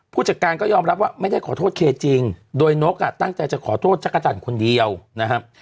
ผู้จัดการก็ยอมรับว่าไม่ได้ขอโทษเคจริงโดยนกอ่ะตั้งใจจะขอโทษจักรจันทร์คนเดียวนะครับ